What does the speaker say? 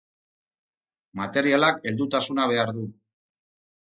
Materialak heldutasuna behar du.